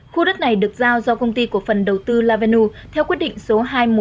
khu đất này được giao do công ty của phần đầu tư lavenu theo quyết định số hai nghìn một trăm tám mươi sáu